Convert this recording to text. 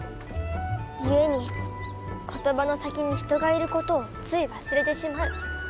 ゆえに言葉の先に人がいることをつい忘れてしまう。